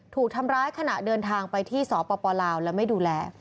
ถูกทำร้ายขณะเดินทางไปที่สปลาวและไม่ดูแล